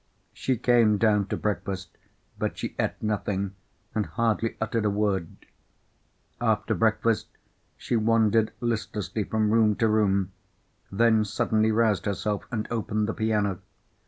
She came down to breakfast, but she ate nothing, and hardly uttered a word. After breakfast she wandered listlessly from room to room—then suddenly roused herself, and opened the piano.